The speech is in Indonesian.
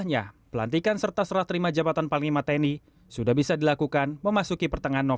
sebagai keesokan istitus beberapa negara tentang kecepatan dan pernikahan vozongatoblut j soprattutto you